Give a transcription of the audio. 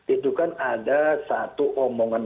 itu kan ada satu omongan